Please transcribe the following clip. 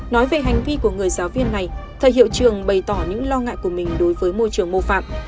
nói về hành vi của người giáo viên này thầy hiệu trường bày tỏ những lo ngại của mình đối với môi trường mô phạm